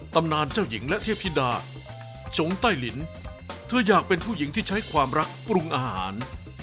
ตำนานเจ้าหญิงและเทพธิดาจงใต้ลิ้นเธออยากเป็นผู้หญิงที่ใช้ความรักปรุงอาหาร